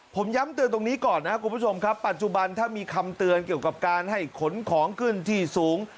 ผมย้ำเตือนตรงนี้ก่อนนะครับคุณผู้ชมครับปัจจุบันถ้ามีคำเตือนเกี่ยวกับการให้ขนของขึ้นที่สูง